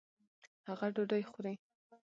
هغه ډوډۍ خوري.